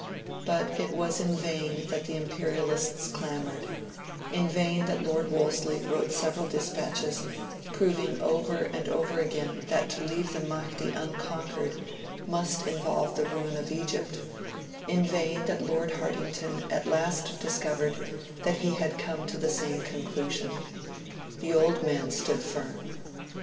But it was in vain that the imperialists clamoured; in vain that Lord Wolseley wrote several dispatches, proving over and over again that to leave the Mahdi unconquered must involve the ruin of Egypt; in vain that Lord Hartington at last discovered that he had come to the same conclusion. The old man stood firm.